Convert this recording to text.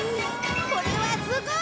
これはすごい！